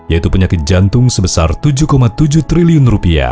yaitu penyakit jantung sebesar rp tujuh tujuh triliun